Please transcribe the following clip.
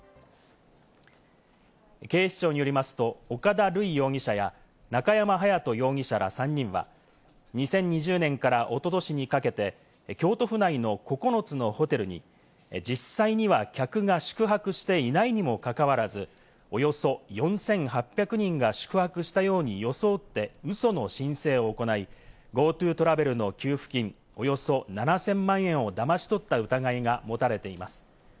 警視庁によりますと、岡田塁容疑者や中山勇人容疑者ら３人は、２０２０年からおととしにかけて京都府内の９つのホテルに実際には客が宿泊していないにも関わらず、およそ４８００人が宿泊したように装って、ウソの申請を行い、ＧｏＴｏトラベルの給付金およそ７０００万円をだまし取った疑いが持たれています。